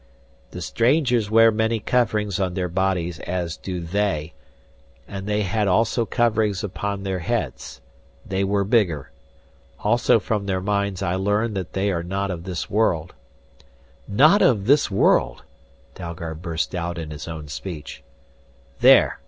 "The strangers wear many coverings on their bodies as do they, and they had also coverings upon their heads. They were bigger. Also from their minds I learned that they are not of this world " "Not of this world!" Dalgard burst out in his own speech. "There!"